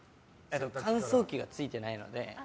乾燥機がついていないので。